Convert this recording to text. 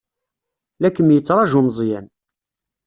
La kem-yettṛaju Meẓyan.